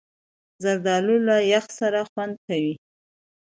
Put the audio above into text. زردالو له یخ سره خوند کوي.